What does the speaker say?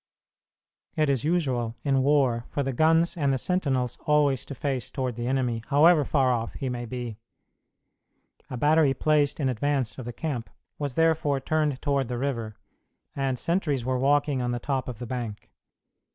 It is usual in war for the guns and the sentinels always to face toward the enemy, however far off he may be. A battery placed in advance of the camp was therefore turned toward the river, and sentries were walking on the top of the bank.